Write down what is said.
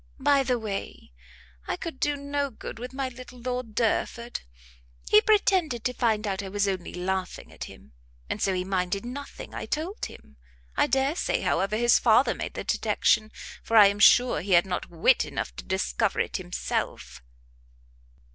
By the way, I could do no good with my little Lord Derford; he pretended to find out I was only laughing at him, and so he minded nothing I told him. I dare say, however, his father made the detection, for I am sure he had not wit enough to discover it himself."